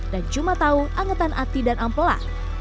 dan cuma tahu angetan hati dan ampela